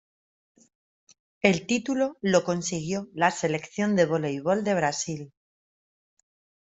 El título lo consiguió la Selección de voleibol de Brasil.